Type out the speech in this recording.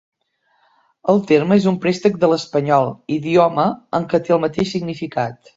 El terme és un préstec de l'espanyol, idioma en què té el mateix significat.